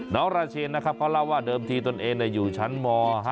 ราเชนนะครับเขาเล่าว่าเดิมทีตนเองอยู่ชั้นม๕